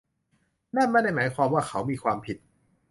นั่นไม่ได้หมายความว่าเขามีความผิด